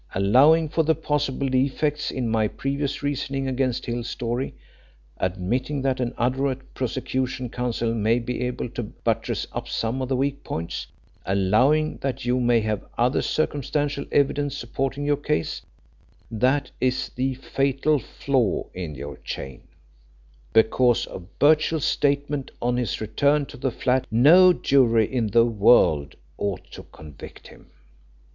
Allowing for possible defects in my previous reasoning against Hill's story, admitting that an adroit prosecuting counsel may be able to buttress up some of the weak points, allowing that you may have other circumstantial evidence supporting your case, that is the fatal flaw in your chain: because of Birchill's statement on his return to the flat no jury in the world ought to convict him."